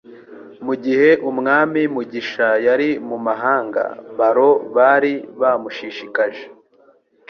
Mugihe Umwami Mugisha yari mumahanga, baron bari bamushishikaje